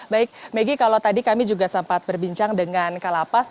baik maggie kalau tadi kami juga sempat berbincang dengan kak lapas